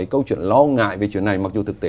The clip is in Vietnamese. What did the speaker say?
câu chuyện lo ngại về chuyện này mặc dù thực tế